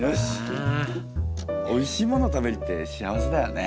おいしいもの食べるって幸せだよね。